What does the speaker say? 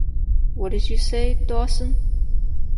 What did you say, Dawson?